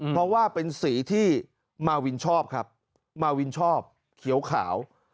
เพราะว่าเป็นสีที่มาวินชอบครับมาวินชอบเขียวขาว